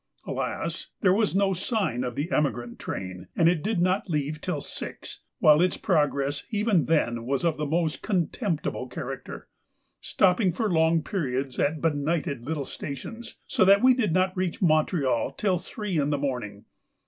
Alas there was no sign of the emigrant train, and it did not leave till six, while its progress even then was of the most contemptible character, stopping for long periods at benighted little stations, so that we did not reach Montreal till three in the morning.